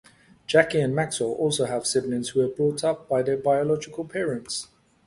Jackie and Maxwell also have siblings who were brought up by their biological parents.